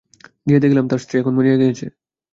গিয়া দেখিলাম, তার স্ত্রী তখন মরিয়া গেছে।